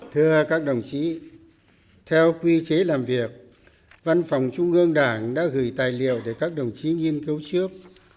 thưa các đồng chí theo quy chế làm việc văn phòng trung ương đảng đã gửi tài liệu để các đồng chí nghiên cứu trước